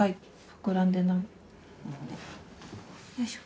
膨らんでない。